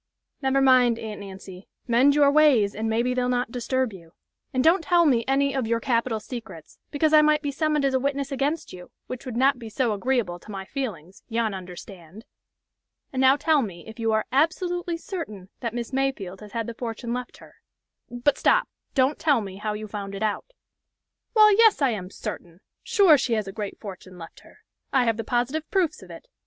"Never mind, Aunt Nancy, mend your ways, and maybe they'll not disturb you. And don't tell me any of your capital secrets, because I might be summoned as a witness against you, which would not be so agreeable to my feelings yon understand! And now tell me, if you are absolutely certain that Miss Mayfield has had that fortune left her. But stop! don't tell me how you found it out!" "Well, yes, I am certain sure, she has a great fortune left her. I have the positive proofs of it.